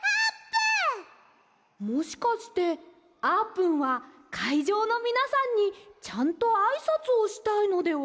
もしかしてあーぷんはかいじょうのみなさんにちゃんとあいさつをしたいのでは？